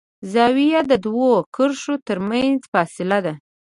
زاویه د دوو کرښو تر منځ فاصله ده.